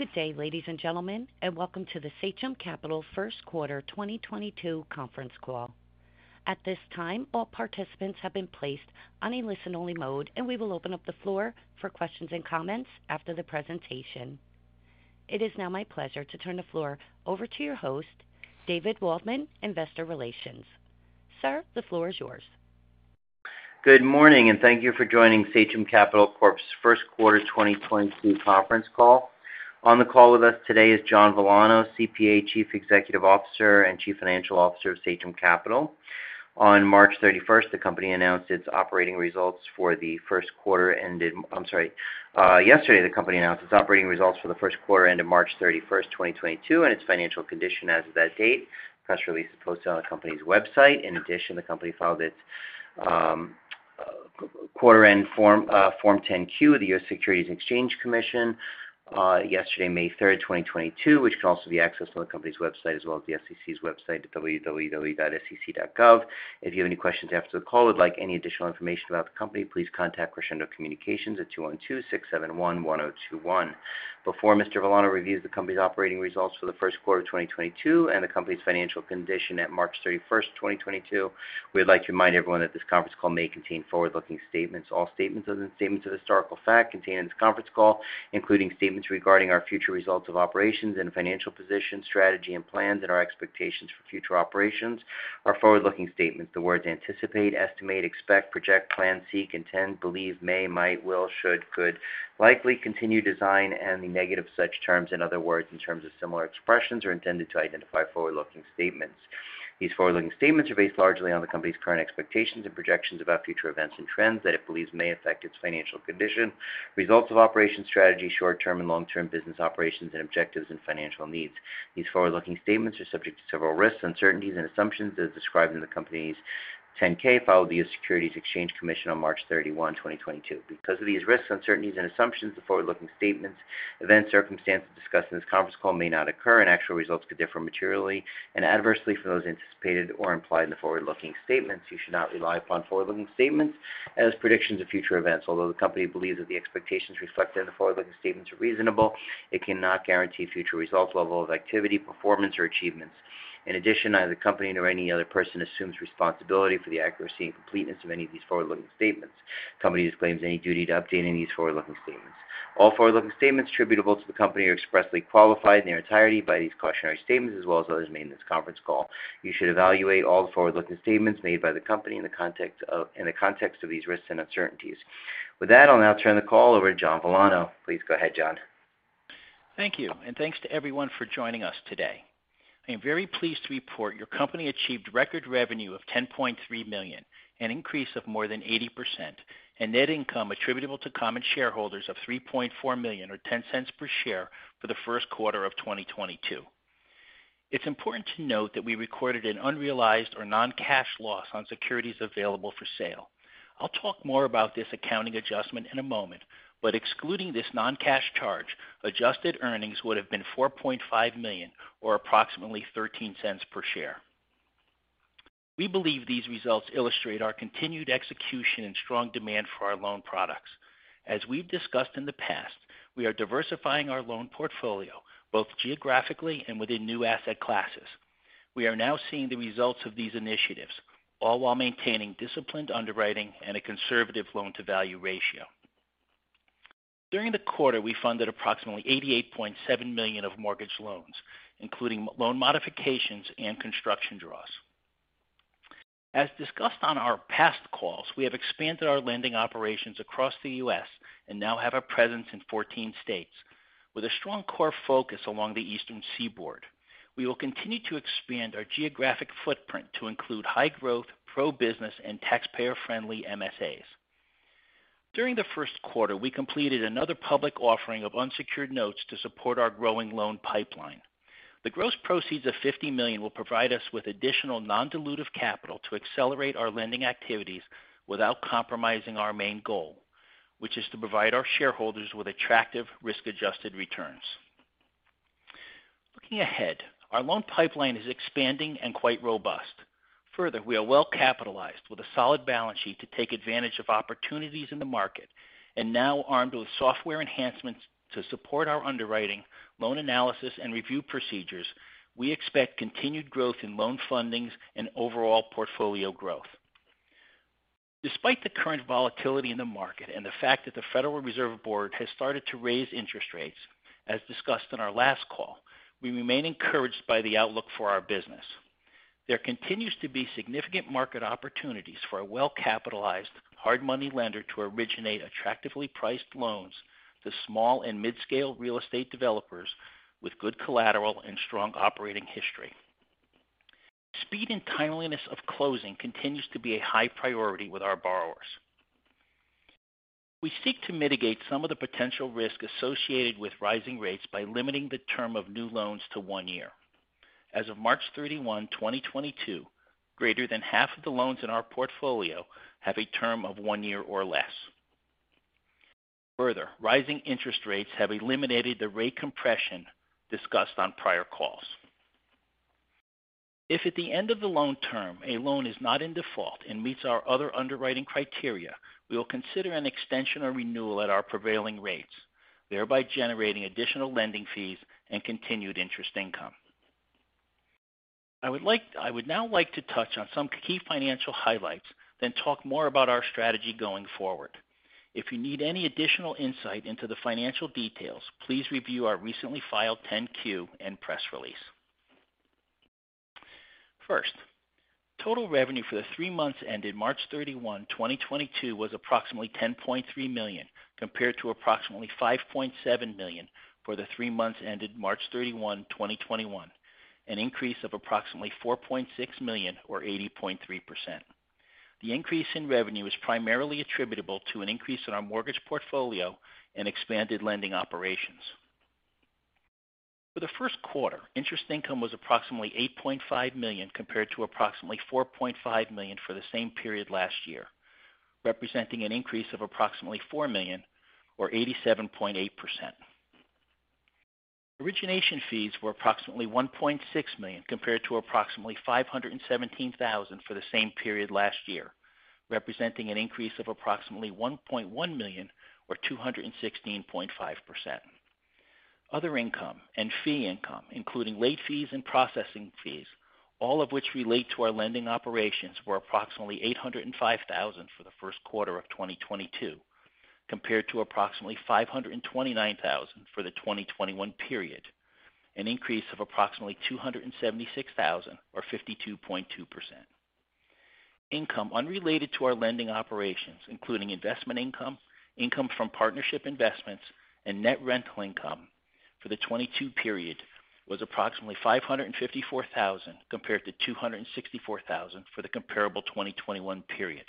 Good day, ladies and gentlemen, and welcome to the Sachem Capital First Quarter 2022 conference call. At this time, all participants have been placed on a listen-only mode, and we will open up the floor for questions and comments after the presentation. It is now my pleasure to turn the floor over to your host, David Waldman, Investor Relations. Sir, the floor is yours. Good morning, and thank you for joining Sachem Capital Corp's first quarter 2022 conference call. On the call with us today is John Villano, CPA, Chief Executive Officer and Chief Financial Officer of Sachem Capital. Yesterday, the company announced its operating results for the first quarter ending March 31st, 2022, and its financial condition as of that date. Press release is posted on the company's website. In addition, the company filed its quarter-end form, Form 10-Q with the U.S. Securities and Exchange Commission, yesterday, May 3rd, 2022, which can also be accessed on the company's website as well as the SEC's website at www.sec.gov. If you have any questions after the call or would like any additional information about the company, please contact Crescendo Communications at 212-671-1021. Before Mr. Villano reviews the company's operating results for the first quarter of 2022 and the company's financial condition at March 31st, 2022, we'd like to remind everyone that this conference call may contain forward-looking statements. All statements other than statements of historical fact contained in this conference call, including statements regarding our future results of operations and financial position, strategy and plans, and our expectations for future operations are forward-looking statements. The words anticipate, estimate, expect, project, plan, seek, intend, believe, may, might, will, should, could, likely, continue, design, and the negative such terms and other words and terms of similar expressions are intended to identify forward-looking statements. These forward-looking statements are based largely on the company's current expectations and projections about future events and trends that it believes may affect its financial condition, results of operations, strategy, short-term and long-term business operations and objectives and financial needs. These forward-looking statements are subject to several risks, uncertainties and assumptions as described in the company's 10-K filed with the Securities and Exchange Commission on March 31, 2022. Because of these risks, uncertainties and assumptions, the forward-looking statements, events, circumstances discussed in this conference call may not occur, and actual results could differ materially and adversely from those anticipated or implied in the forward-looking statements. You should not rely upon forward-looking statements as predictions of future events. Although the company believes that the expectations reflected in the forward-looking statements are reasonable, it cannot guarantee future results, level of activity, performance or achievements. In addition, neither the company nor any other person assumes responsibility for the accuracy and completeness of any of these forward-looking statements. Company disclaims any duty to update any of these forward-looking statements. All forward-looking statements attributable to the company are expressly qualified in their entirety by these cautionary statements as well as others made in this conference call. You should evaluate all the forward-looking statements made by the company in the context of these risks and uncertainties. With that, I'll now turn the call over to John Villano. Please go ahead, John. Thank you. Thanks to everyone for joining us today. I am very pleased to report your company achieved record revenue of $10.3 million, an increase of more than 80%, and net income attributable to common shareholders of $3.4 million, or $0.10 per share for the first quarter of 2022. It's important to note that we recorded an unrealized or non-cash loss on securities available for sale. I'll talk more about this accounting adjustment in a moment, but excluding this non-cash charge, adjusted earnings would have been $4.5 million or approximately $0.13 per share. We believe these results illustrate our continued execution and strong demand for our loan products. As we've discussed in the past, we are diversifying our loan portfolio both geographically and within new asset classes. We are now seeing the results of these initiatives, all while maintaining disciplined underwriting and a conservative loan-to-value ratio. During the quarter, we funded approximately $88.7 million of mortgage loans, including loan modifications and construction draws. As discussed on our past calls, we have expanded our lending operations across the U.S. and now have a presence in 14 states with a strong core focus along the Eastern Seaboard. We will continue to expand our geographic footprint to include high-growth, pro-business and taxpayer-friendly MSAs. During the first quarter, we completed another public offering of unsecured notes to support our growing loan pipeline. The gross proceeds of $50 million will provide us with additional non-dilutive capital to accelerate our lending activities without compromising our main goal, which is to provide our shareholders with attractive risk-adjusted returns. Looking ahead, our loan pipeline is expanding and quite robust. Further, we are well capitalized with a solid balance sheet to take advantage of opportunities in the market. Now armed with software enhancements to support our underwriting, loan analysis and review procedures, we expect continued growth in loan fundings and overall portfolio growth. Despite the current volatility in the market and the fact that the Federal Reserve Board has started to raise interest rates, as discussed in our last call, we remain encouraged by the outlook for our business. There continues to be significant market opportunities for a well-capitalized hard money lender to originate attractively priced loans to small and mid-scale real estate developers with good collateral and strong operating history. Speed and timeliness of closing continues to be a high priority with our borrowers. We seek to mitigate some of the potential risk associated with rising rates by limiting the term of new loans to one year. As of March 31, 2022, greater than half of the loans in our portfolio have a term of one year or less. Further, rising interest rates have eliminated the rate compression discussed on prior calls. If at the end of the loan term a loan is not in default and meets our other underwriting criteria, we will consider an extension or renewal at our prevailing rates, thereby generating additional lending fees and continued interest income. I would now like to touch on some key financial highlights, then talk more about our strategy going forward. If you need any additional insight into the financial details, please review our recently filed 10-Q and press release. First, total revenue for the three months ended March 31, 2022 was approximately $10.3 million, compared to approximately $5.7 million for the three months ended March 31, 2021. An increase of approximately $4.6 million or 80.3%. The increase in revenue is primarily attributable to an increase in our mortgage portfolio and expanded lending operations. For the first quarter, interest income was approximately $8.5 million, compared to approximately $4.5 million for the same period last year, representing an increase of approximately $4 million or 87.8%. Origination fees were approximately $1.6 million compared to approximately $517 thousand for the same period last year, representing an increase of approximately $1.1 million or 216.5%. Other income and fee income, including late fees and processing fees, all of which relate to our lending operations, were approximately $805,000 for the first quarter of 2022, compared to approximately $529,000 for the 2021 period, an increase of approximately $276,000 or 52.2%. Income unrelated to our lending operations, including investment income from partnership investments, and net rental income for the 2022 period was approximately $554,000 compared to $264,000 for the comparable 2021 period.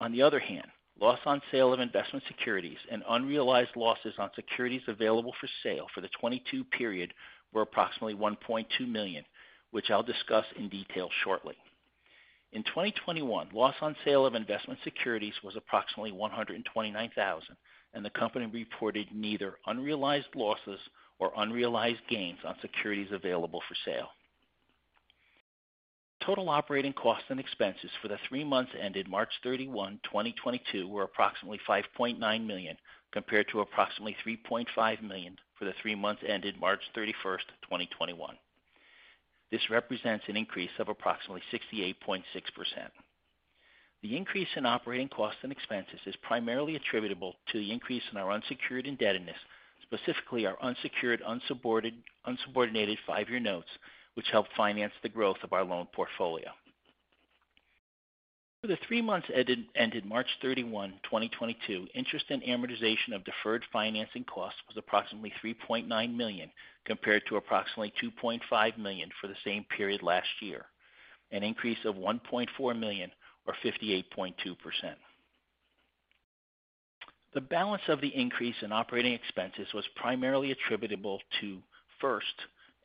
On the other hand, loss on sale of investment securities and unrealized losses on securities available for sale for the 2022 period were approximately $1.2 million, which I'll discuss in detail shortly. In 2021, loss on sale of investment securities was approximately $129,000, and the company reported neither unrealized losses or unrealized gains on securities available for sale. Total operating costs and expenses for the three months ended March 31, 2022 were approximately $5.9 million, compared to approximately $3.5 million for the three months ended March 31, 2021. This represents an increase of approximately 68.6%. The increase in operating costs and expenses is primarily attributable to the increase in our unsecured indebtedness, specifically our unsecured, unsubordinated five-year notes, which help finance the growth of our loan portfolio. For the three months ended March 31, 2022, interest and amortization of deferred financing costs was approximately $3.9 million compared to approximately $2.5 million for the same period last year, an increase of $1.4 million or 58.2%. The balance of the increase in operating expenses was primarily attributable to, first,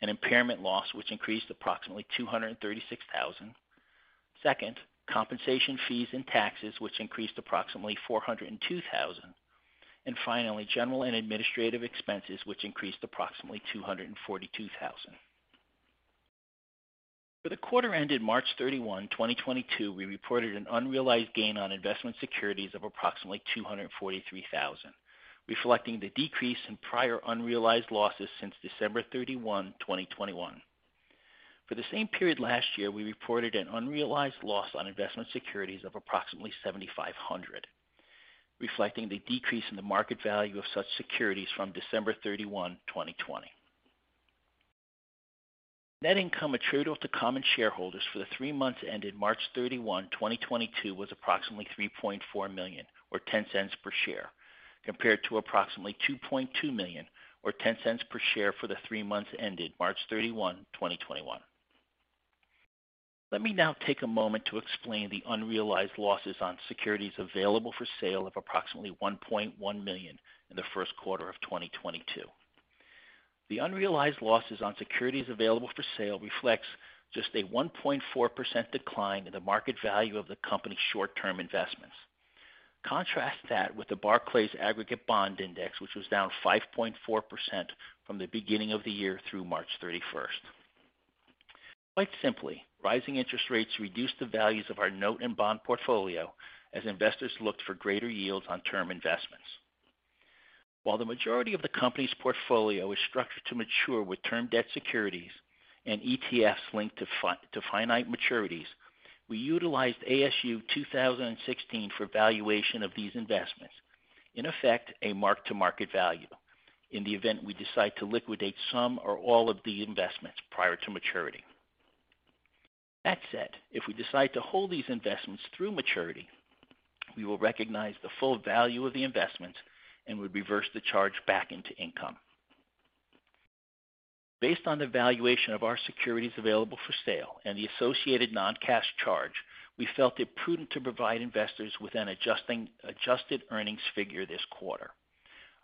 an impairment loss which increased approximately $236,000. Second, compensation, fees and taxes which increased approximately $402,000. Finally, general and administrative expenses which increased approximately $242,000. For the quarter ended March 31, 2022, we reported an unrealized gain on investment securities of approximately $243,000, reflecting the decrease in prior unrealized losses since December 31, 2021. For the same period last year, we reported an unrealized loss on investment securities of approximately $7,500, reflecting the decrease in the market value of such securities from December 31, 2020. Net income attributable to common shareholders for the three months ended March 31, 2022 was approximately $3.4 million or $0.10 per share, compared to approximately $2.2 million or $0.10 per share for the three months ended March 31, 2021. Let me now take a moment to explain the unrealized losses on securities available for sale of approximately $1.1 million in the first quarter of 2022. The unrealized losses on securities available for sale reflects just a 1.4% decline in the market value of the company's short-term investments. Contrast that with the Barclays Aggregate Bond Index, which was down 5.4% from the beginning of the year through March 31st. Quite simply, rising interest rates reduced the values of our note and bond portfolio as investors looked for greater yields on term investments. While the majority of the company's portfolio is structured to mature with term debt securities and ETFs linked to finite maturities, we utilized ASU 2016 for valuation of these investments, in effect, a mark to market value in the event we decide to liquidate some or all of the investments prior to maturity. That said, if we decide to hold these investments through maturity, we will recognize the full value of the investment and would reverse the charge back into income. Based on the valuation of our securities available for sale and the associated non-cash charge, we felt it prudent to provide investors with an adjusted earnings figure this quarter.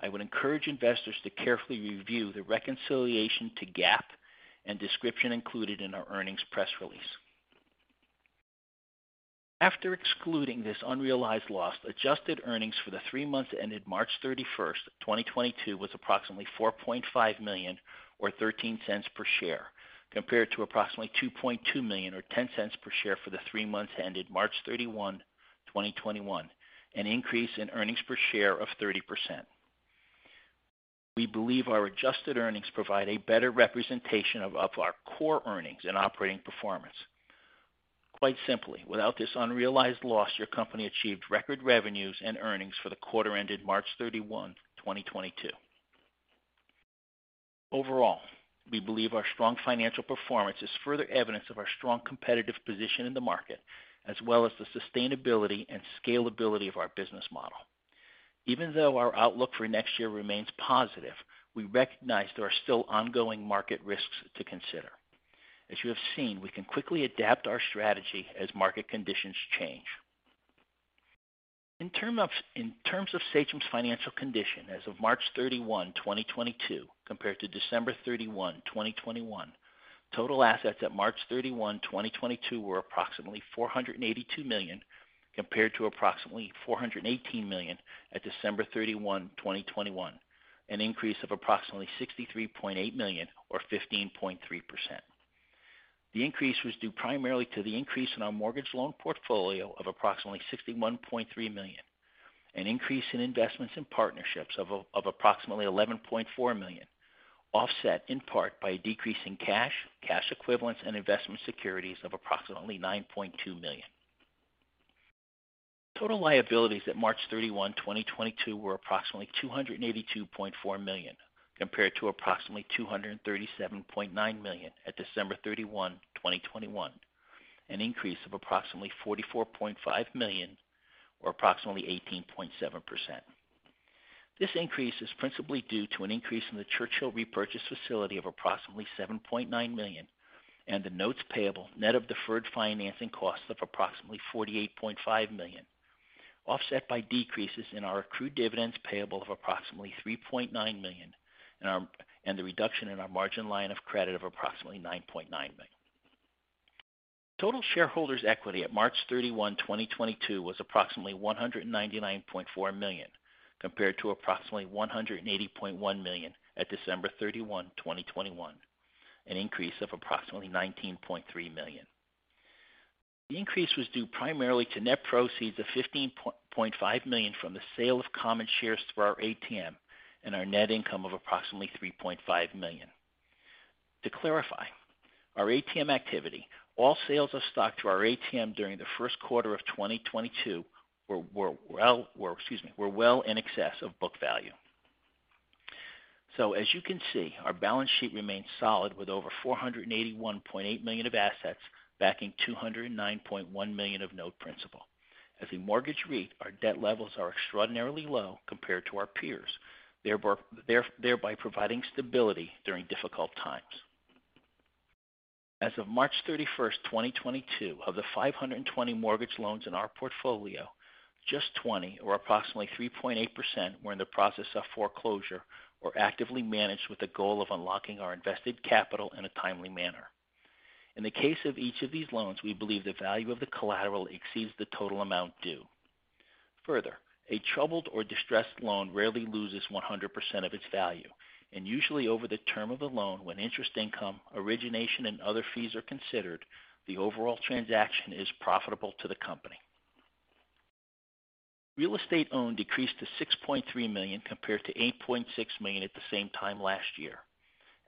I would encourage investors to carefully review the reconciliation to GAAP and description included in our earnings press release. After excluding this unrealized loss, adjusted earnings for the three months ended March 31, 2022 was approximately $4.5 million or $0.13 per share, compared to approximately $2.2 million or $0.10 per share for the three months ended March 31, 2021, an increase in earnings per share of 30%. We believe our adjusted earnings provide a better representation of our core earnings and operating performance. Quite simply, without this unrealized loss, your company achieved record revenues and earnings for the quarter ended March 31, 2022. Overall, we believe our strong financial performance is further evidence of our strong competitive position in the market, as well as the sustainability and scalability of our business model. Even though our outlook for next year remains positive, we recognize there are still ongoing market risks to consider. As you have seen, we can quickly adapt our strategy as market conditions change. In terms of Sachem's financial condition as of March 31, 2022 compared to December 31, 2021, total assets at March 31, 2022 were approximately $482 million, compared to approximately $418 million at December 31, 2021, an increase of approximately $63.8 million or 15.3%. The increase was due primarily to the increase in our mortgage loan portfolio of approximately $61.3 million, an increase in investments in partnerships of approximately $11.4 million, offset in part by a decrease in cash equivalents and investment securities of approximately $9.2 million. Total liabilities at March 31, 2022 were approximately $282.4 million, compared to approximately $237.9 million at December 31, 2021, an increase of approximately $44.5 million or approximately 18.7%. This increase is principally due to an increase in the Churchill repurchase facility of approximately $7.9 million and the notes payable, net of deferred financing costs of approximately $48.5 million, offset by decreases in our accrued dividends payable of approximately $3.9 million and the reduction in our margin line of credit of approximately $9.9 million. Total shareholders' equity at March 31, 2022 was approximately $199.4 million, compared to approximately $180.1 million at December 31, 2021, an increase of approximately $19.3 million. The increase was due primarily to net proceeds of $15.5 million from the sale of common shares through our ATM and our net income of approximately $3.5 million. To clarify our ATM activity, all sales of stock through our ATM during the first quarter of 2022 were well in excess of book value. As you can see, our balance sheet remains solid with over $481.8 million of assets backing $209.1 million of note principal. As a mortgage REIT, our debt levels are extraordinarily low compared to our peers, thereby providing stability during difficult times. As of March thirty-first, 2022, of the 520 mortgage loans in our portfolio, just 20 or approximately 3.8% were in the process of foreclosure or actively managed with the goal of unlocking our invested capital in a timely manner. In the case of each of these loans, we believe the value of the collateral exceeds the total amount due. Further, a troubled or distressed loan rarely loses 100% of its value, and usually over the term of the loan when interest income, origination, and other fees are considered, the overall transaction is profitable to the company. Real estate owned decreased to $6.3 million compared to $8.6 million at the same time last year.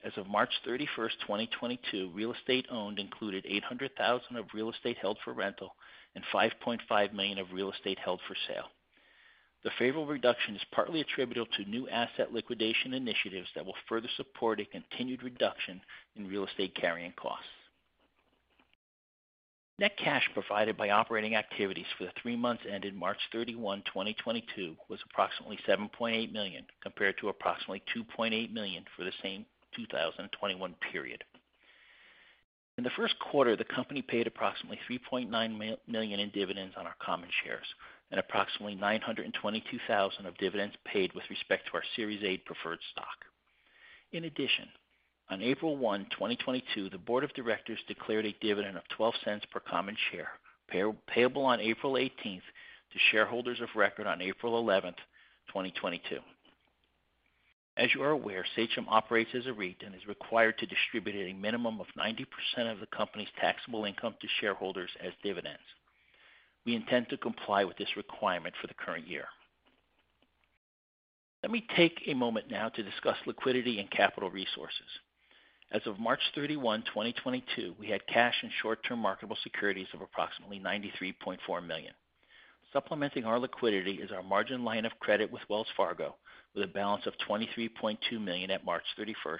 As of March 31, 2022, real estate owned included $800,000 of real estate held for rental and $5.5 million of real estate held for sale. The favorable reduction is partly attributable to new asset liquidation initiatives that will further support a continued reduction in real estate carrying costs. Net cash provided by operating activities for the three months ended March 31, 2022 was approximately $7.8 million, compared to approximately $2.8 million for the same 2021 period. In the first quarter, the company paid approximately $3.9 million in dividends on our common shares and approximately $922,000 of dividends paid with respect to our Series A preferred stock. In addition, on April 1, 2022, the board of directors declared a dividend of $0.12 per common share, payable on April 18 to shareholders of record on April 11, 2022. As you are aware, Sachem operates as a REIT and is required to distribute a minimum of 90% of the company's taxable income to shareholders as dividends. We intend to comply with this requirement for the current year. Let me take a moment now to discuss liquidity and capital resources. As of March 31, 2022, we had cash and short-term marketable securities of approximately $93.4 million. Supplementing our liquidity is our margin line of credit with Wells Fargo, with a balance of $23.2 million at March 31st,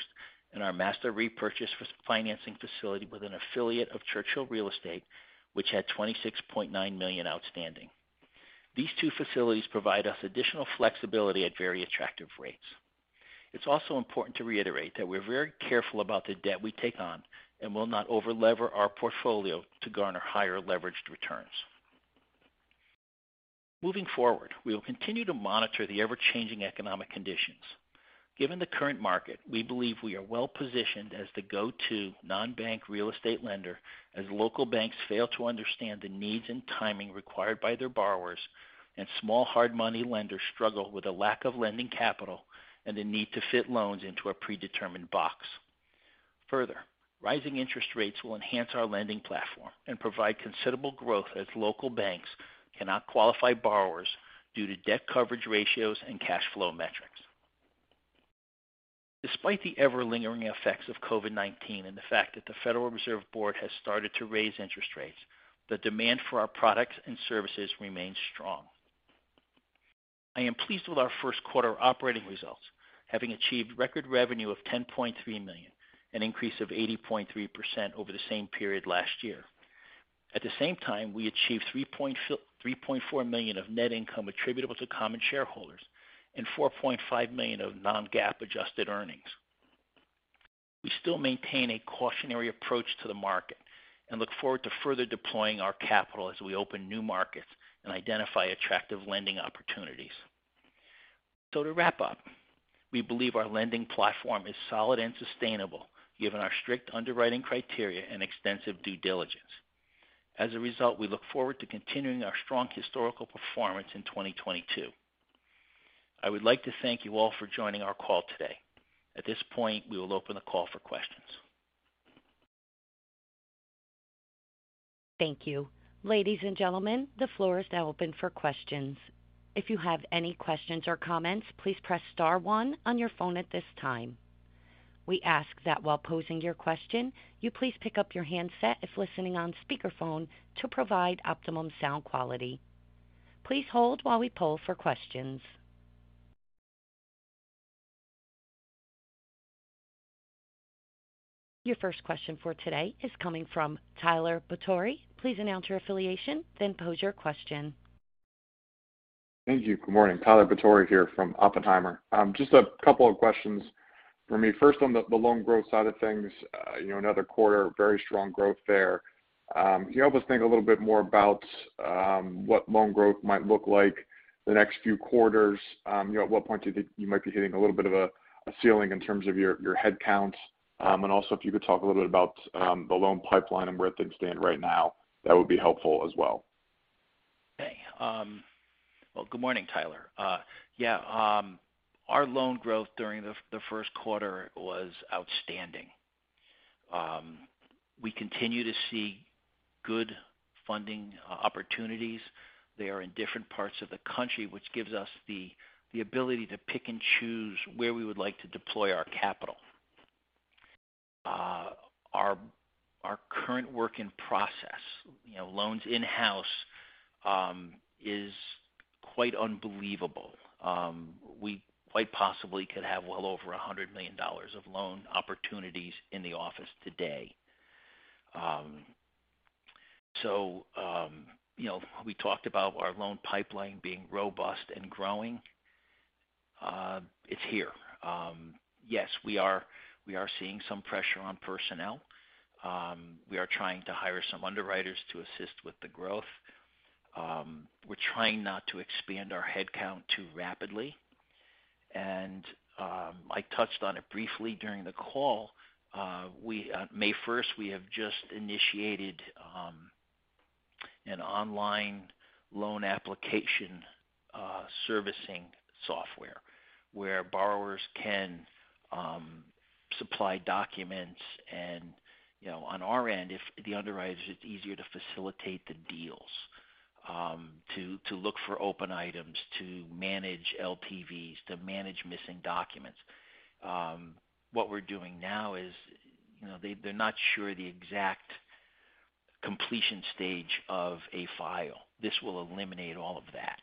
and our master repurchase financing facility with an affiliate of Churchill Real Estate, which had $26.9 million outstanding. These two facilities provide us additional flexibility at very attractive rates. It's also important to reiterate that we're very careful about the debt we take on and will not over-level our portfolio to garner higher leveraged returns. Moving forward, we will continue to monitor the ever-changing economic conditions. Given the current market, we believe we are well-positioned as the go-to non-bank real estate lender as local banks fail to understand the needs and timing required by their borrowers, and small hard money lenders struggle with a lack of lending capital and the need to fit loans into a predetermined box. Further, rising interest rates will enhance our lending platform and provide considerable growth as local banks cannot qualify borrowers due to debt coverage ratios and cash flow metrics. Despite the ever-lingering effects of COVID-19 and the fact that the Federal Reserve Board has started to raise interest rates, the demand for our products and services remains strong. I am pleased with our first quarter operating results, having achieved record revenue of $10.3 million, an increase of 80.3% over the same period last year. At the same time, we achieved $3.4 million of net income attributable to common shareholders and $4.5 million of non-GAAP adjusted earnings. We still maintain a cautionary approach to the market and look forward to further deploying our capital as we open new markets and identify attractive lending opportunities. To wrap up, we believe our lending platform is solid and sustainable given our strict underwriting criteria and extensive due diligence. As a result, we look forward to continuing our strong historical performance in 2022. I would like to thank you all for joining our call today. At this point, we will open the call for questions. Thank you. Ladies and gentlemen, the floor is now open for questions. If you have any questions or comments, please press star one on your phone at this time. We ask that while posing your question, you please pick up your handset if listening on speakerphone to provide optimum sound quality. Please hold while we poll for questions. Your first question for today is coming from Tyler Batory. Please announce your affiliation, then pose your question. Thank you. Good morning. Tyler Batory here from Oppenheimer. Just a couple of questions for me. First, on the loan growth side of things. You know, another quarter, very strong growth there. Can you help us think a little bit more about what loan growth might look like the next few quarters? You know, at what point do you think you might be hitting a little bit of a ceiling in terms of your headcount? And also if you could talk a little bit about the loan pipeline and where things stand right now, that would be helpful as well. Okay. Well, good morning, Tyler. Yeah, our loan growth during the first quarter was outstanding. We continue to see good funding opportunities. They are in different parts of the country, which gives us the ability to pick and choose where we would like to deploy our capital. Our current work in process, you know, loans in-house, is quite unbelievable. We quite possibly could have well over $100 million of loan opportunities in the office today. So, you know, we talked about our loan pipeline being robust and growing. It's here. Yes, we are seeing some pressure on personnel. We are trying to hire some underwriters to assist with the growth. We're trying not to expand our head count too rapidly. I touched on it briefly during the call. We have just initiated an online loan application servicing software where borrowers can supply documents and, you know, on our end if the underwriter, it's easier to facilitate the deals, to look for open items, to manage LTVs, to manage missing documents. What we're doing now is, you know, they're not sure the exact completion stage of a file. This will eliminate all of that.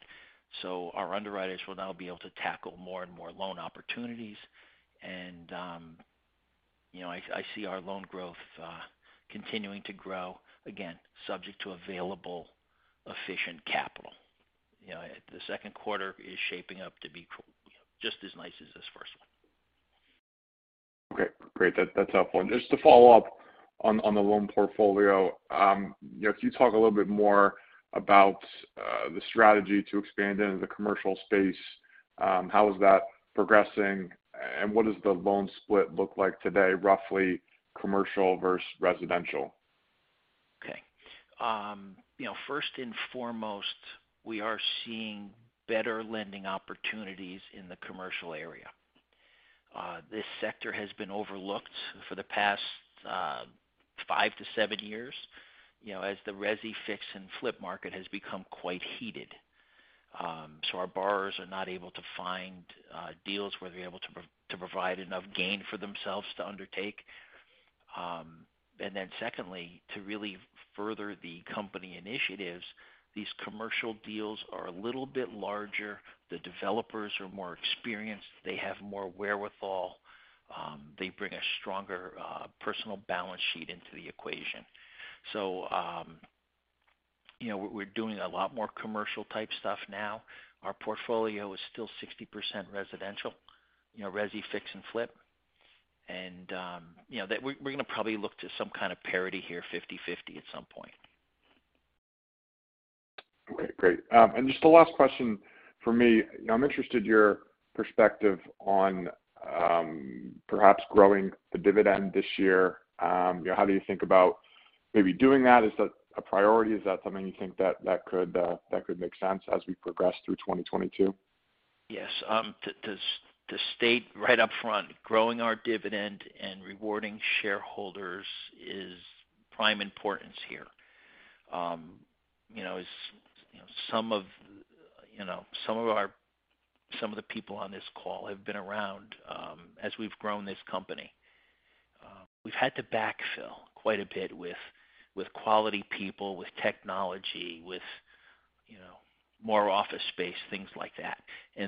Our underwriters will now be able to tackle more and more loan opportunities. I see our loan growth continuing to grow, again, subject to available efficient capital. You know, the second quarter is shaping up to be pretty, you know, just as nice as this first one. Okay. Great. That's helpful. Just to follow up on the loan portfolio. You know, can you talk a little bit more about the strategy to expand into the commercial space? How is that progressing, and what does the loan split look like today, roughly commercial versus residential? Okay. You know, first and foremost, we are seeing better lending opportunities in the commercial area. This sector has been overlooked for the past five-seven years, you know, as the resi fix-and-flip market has become quite heated. Our borrowers are not able to find deals where they're able to provide enough gain for themselves to undertake. Secondly, to really further the company initiatives, these commercial deals are a little bit larger. The developers are more experienced. They have more wherewithal. They bring a stronger personal balance sheet into the equation. You know, we're doing a lot more commercial type stuff now. Our portfolio is still 60% residential, you know, resi fix-and-flip. You know, that we're gonna probably look to some kind of parity here, 50/50 at some point. Okay, great. Just a last question from me. I'm interested your perspective on, perhaps growing the dividend this year. You know, how do you think about maybe doing that? Is that a priority? Is that something you think that could make sense as we progress through 2022? Yes. To state right up front, growing our dividend and rewarding shareholders is prime importance here. You know, some of our some of the people on this call have been around, as we've grown this company. We've had to backfill quite a bit with quality people, with technology, with, you know, more office space, things like that.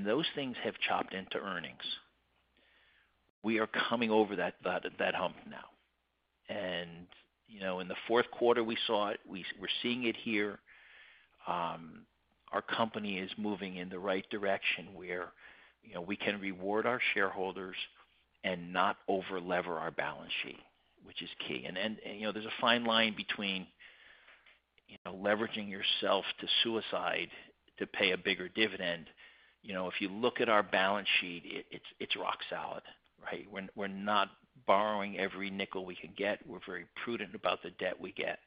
Those things have chopped into earnings. We are coming over that hump now. You know, in the fourth quarter, we saw it. We're seeing it here. Our company is moving in the right direction where, you know, we can reward our shareholders and not over-lever our balance sheet, which is key. You know, there's a fine line between, you know, leveraging yourself to suicide to pay a bigger dividend. You know, if you look at our balance sheet, it's rock solid, right? We're not borrowing every nickel we can get. We're very prudent about the debt we get.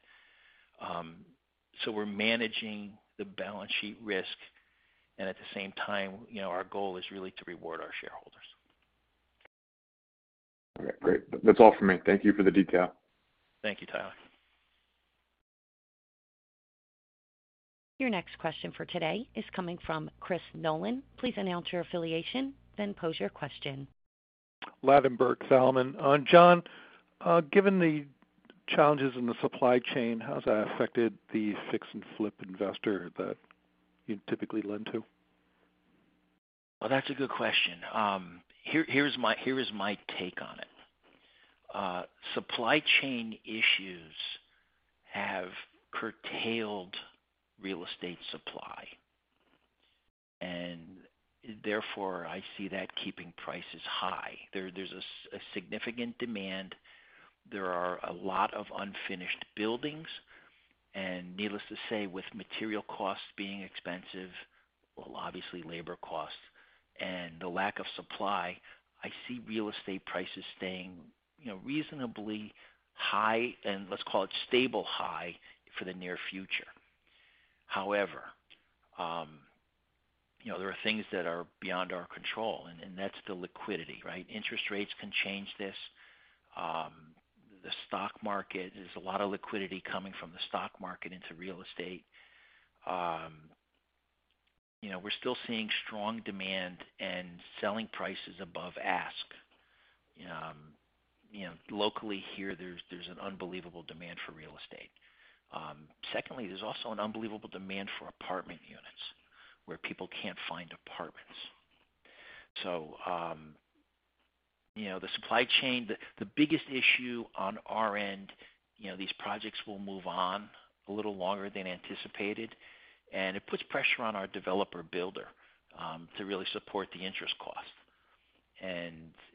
We're managing the balance sheet risk, and at the same time, you know, our goal is really to reward our shareholders. Okay, great. That's all for me. Thank you for the detail. Thank you, Tyler. Your next question for today is coming from Christopher Nolan. Please announce your affiliation, then pose your question. Ladenburg Thalmann. John, given the challenges in the supply chain, how has that affected the fix and flip investor that you typically lend to? Well, that's a good question. Here is my take on it. Supply chain issues have curtailed real estate supply. Therefore, I see that keeping prices high. There's a significant demand. There are a lot of unfinished buildings. Needless to say, with material costs being expensive, obviously labor costs and the lack of supply, I see real estate prices staying, you know, reasonably high, and let's call it stable high for the near future. However, you know, there are things that are beyond our control, and that's the liquidity, right? Interest rates can change this. The stock market. There's a lot of liquidity coming from the stock market into real estate. You know, we're still seeing strong demand and selling prices above ask. You know, locally here, there's an unbelievable demand for real estate. Secondly, there's also an unbelievable demand for apartment units where people can't find apartments. You know, the supply chain, the biggest issue on our end, you know, these projects will move on a little longer than anticipated, and it puts pressure on our developer builder, to really support the interest cost.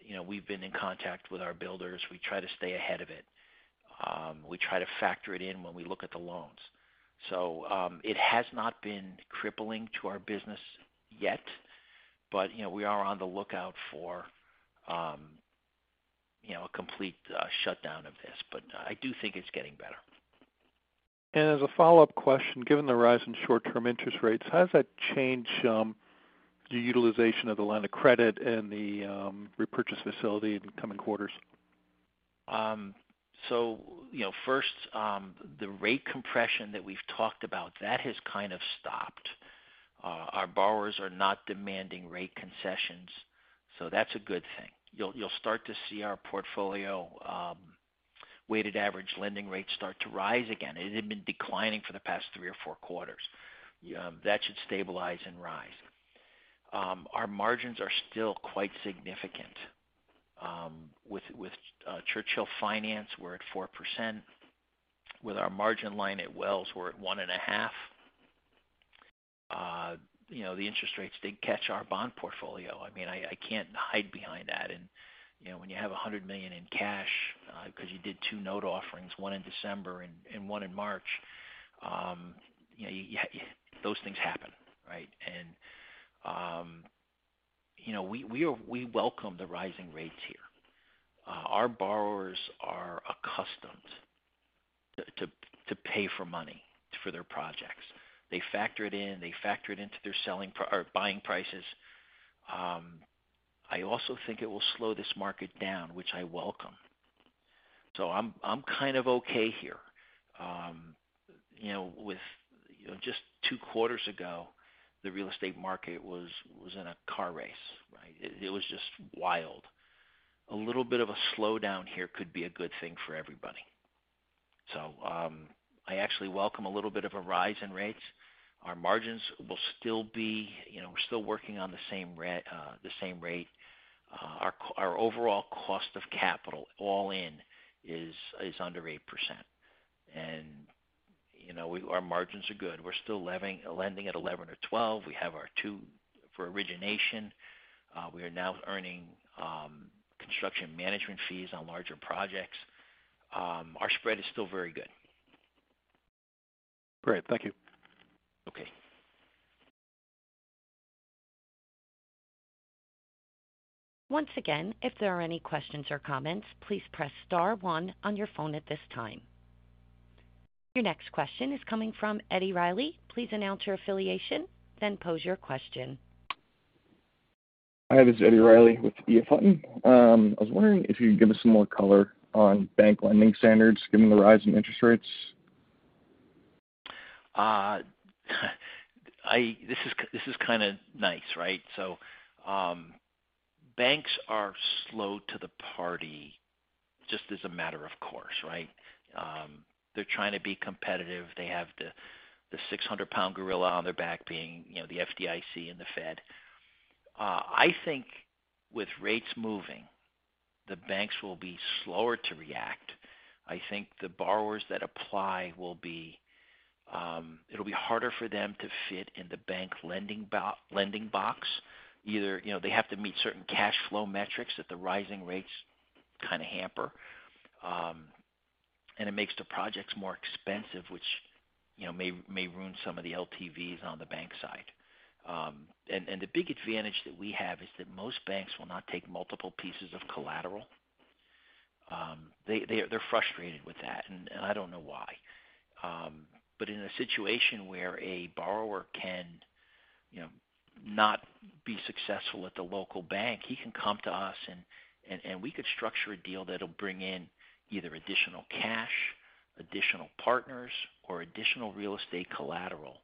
You know, we've been in contact with our builders. We try to stay ahead of it. We try to factor it in when we look at the loans. It has not been crippling to our business yet, but you know, we are on the lookout for, you know, a complete shutdown of this. I do think it's getting better. As a follow-up question, given the rise in short-term interest rates, how does that change the utilization of the line of credit and the repurchase facility in the coming quarters? You know, first, the rate compression that we've talked about, that has kind of stopped. Our borrowers are not demanding rate concessions, so that's a good thing. You'll start to see our portfolio, weighted average lending rates start to rise again. It had been declining for the past three or four quarters. That should stabilize and rise. Our margins are still quite significant. With Churchill Real Estate, we're at 4%. With our margin line at Wells Fargo, we're at 1.5%. You know, the interest rates did catch our bond portfolio. I mean, I can't hide behind that. You know, when you have $100 million in cash, 'cause you did two note offerings, one in December and one in March, you know. Those things happen, right? You know, we welcome the rising rates here. Our borrowers are accustomed to pay for money for their projects. They factor it in. They factor it into their selling or buying prices. I also think it will slow this market down, which I welcome. I'm kind of okay here. You know, just two quarters ago, the real estate market was in a car race, right? It was just wild. A little bit of a slowdown here could be a good thing for everybody. I actually welcome a little bit of a rise in rates. Our margins will still be. You know, we're still working on the same rate. Our overall cost of capital all in is under 8%. You know, our margins are good. We're still lending at 11%-12%. We have our 2% for origination. We are now earning construction management fees on larger projects. Our spread is still very good. Great. Thank you. Okay. Once again, if there are any questions or comments, please press star one on your phone at this time. Your next question is coming from Eddie Reilly. Please announce your affiliation, then pose your question. Hi, this is Eddie Reilly with EF Hutton. I was wondering if you could give us some more color on bank lending standards given the rise in interest rates. This is kinda nice, right? Banks are slow to the party just as a matter of course, right? They're trying to be competitive. They have the 600-pound gorilla on their back being, you know, the FDIC and the Fed. I think with rates moving, the banks will be slower to react. I think the borrowers that apply will be... It'll be harder for them to fit in the bank lending box. Either, you know, they have to meet certain cash flow metrics that the rising rates kinda hamper, and it makes the projects more expensive, which, you know, may ruin some of the LTVs on the bank side. The big advantage that we have is that most banks will not take multiple pieces of collateral. They're frustrated with that, and I don't know why. In a situation where a borrower can, you know, not be successful at the local bank, he can come to us and we could structure a deal that'll bring in either additional cash, additional partners or additional real estate collateral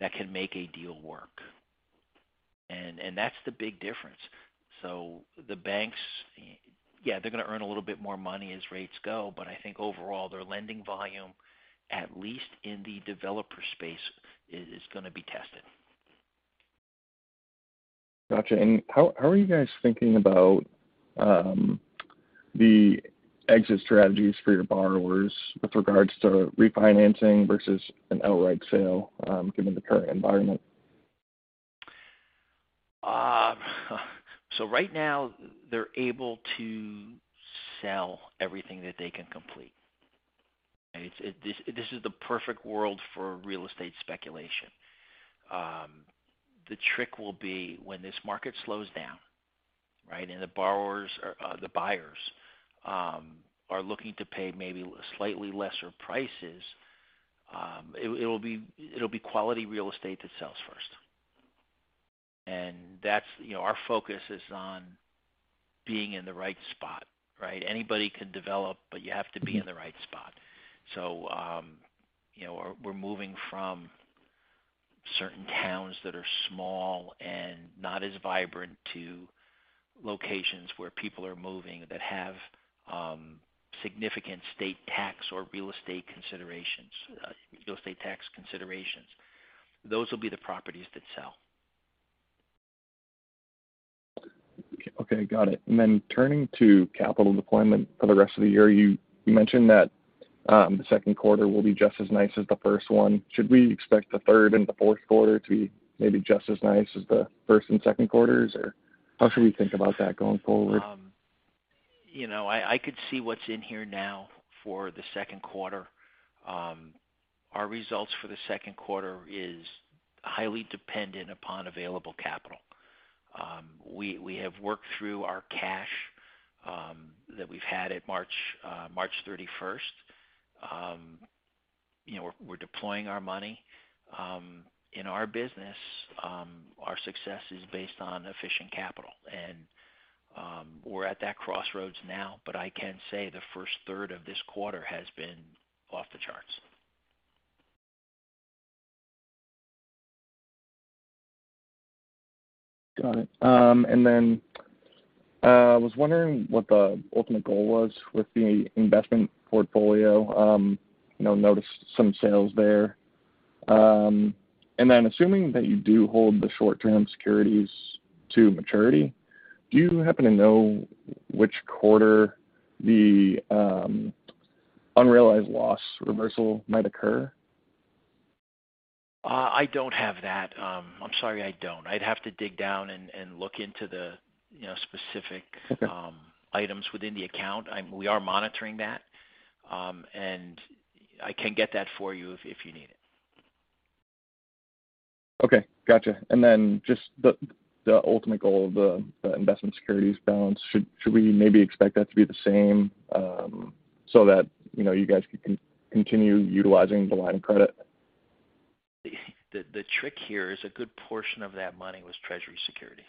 that can make a deal work. That's the big difference. The banks, yeah, they're gonna earn a little bit more money as rates go, but I think overall their lending volume, at least in the developer space, is gonna be tested. Gotcha. How are you guys thinking about the exit strategies for your borrowers with regards to refinancing versus an outright sale, given the current environment? Right now they're able to sell everything that they can complete. This is the perfect world for real estate speculation. The trick will be when this market slows down, right, and the borrowers, or the buyers, are looking to pay maybe slightly lesser prices. It'll be quality real estate that sells first. That's you know, our focus is on being in the right spot, right? Anybody can develop, but you have to be in the right spot. You know, we're moving from certain towns that are small and not as vibrant to locations where people are moving that have significant state tax or real estate considerations, real estate tax considerations. Those will be the properties that sell. Okay, got it. Turning to capital deployment for the rest of the year, you mentioned that the second quarter will be just as nice as the first one. Should we expect the third and the fourth quarter to be maybe just as nice as the first and second quarters, or how should we think about that going forward? You know, I could see what's in here now for the second quarter. Our results for the second quarter is highly dependent upon available capital. We have worked through our cash that we've had at March thirty-first. We're deploying our money. In our business, our success is based on efficient capital, and we're at that crossroads now. I can say the first third of this quarter has been off the charts. Got it. I was wondering what the ultimate goal was with the investment portfolio. You know, noticed some sales there. Assuming that you do hold the short-term securities to maturity, do you happen to know which quarter the unrealized loss reversal might occur? I don't have that. I'm sorry, I don't. I'd have to dig down and look into the, you know, specific Okay. Items within the account. We are monitoring that, and I can get that for you if you need it. Okay, gotcha. Then just the ultimate goal of the investment securities balance, should we maybe expect that to be the same, so that, you know, you guys can continue utilizing the line of credit? The trick here is a good portion of that money was Treasury security.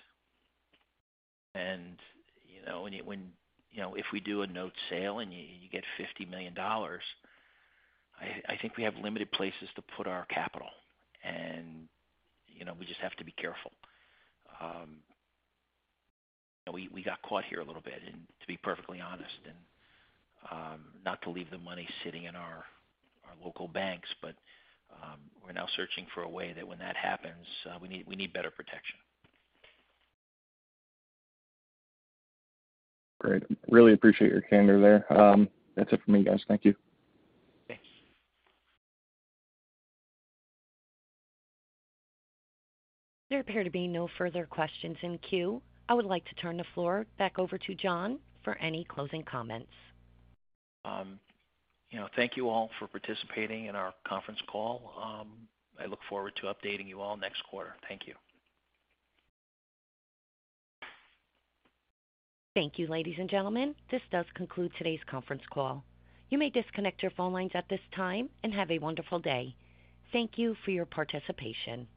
You know, when, you know, if we do a note sale and you get $50 million, I think we have limited places to put our capital and, you know, we just have to be careful. We got caught here a little bit and to be perfectly honest, not to leave the money sitting in our local banks, but we're now searching for a way that when that happens, we need better protection. Great. Really appreciate your candor there. That's it for me, guys. Thank you. Thanks. There appear to be no further questions in queue. I would like to turn the floor back over to John for any closing comments. You know, thank you all for participating in our conference call. I look forward to updating you all next quarter. Thank you. Thank you, ladies and gentlemen. This does conclude today's conference call. You may disconnect your phone lines at this time, and have a wonderful day. Thank you for your participation.